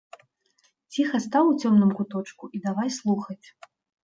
Ціха стаў у цёмным куточку і давай слухаць.